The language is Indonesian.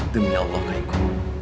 demi allah kak iko